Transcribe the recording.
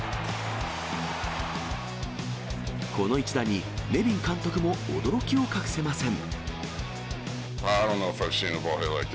この一打に、ネビン監督も驚きを隠せません。